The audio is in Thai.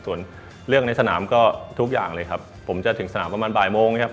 ส่วนเรื่องในสนามก็ทุกอย่างเลยครับผมจะถึงสนามประมาณบ่ายโมงครับ